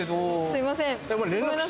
すいません！